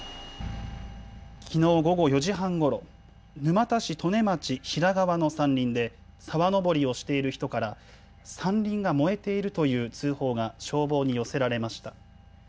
きのう午後４時半ごろ、沼田市利根町平川の山林で沢登りをしている人から山林が燃えているという通報が消防に寄せられました。